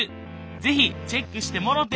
是非チェックしてもろて！